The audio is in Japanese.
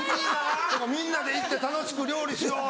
みんなで行って楽しく料理しよう。